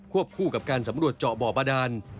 คู่กับการสำรวจเจาะบ่อบาดาน